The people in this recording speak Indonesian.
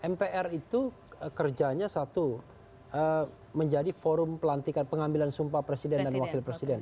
mpr itu kerjanya satu menjadi forum pelantikan pengambilan sumpah presiden dan wakil presiden